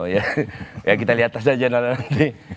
ya kita lihat saja nanti